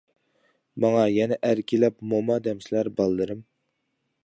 ماڭا يەنە ئەركىلەپ موما دەمسىلەر باللىرىم.